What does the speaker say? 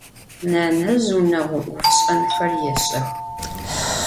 Nenezj vuneğo 'ofş'enxer yêş'ex.